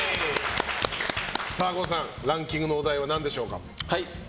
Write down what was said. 郷さん、ランキングのお題は何でしょうか？